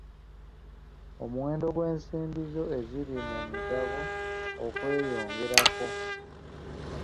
Omuwendo gw'ensimbi zo eziri mu migabo okweyongerako.